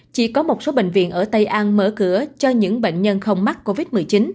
chỉ có một số bệnh viện ở tây an mở cửa cho những bệnh nhân không mắc covid một mươi chín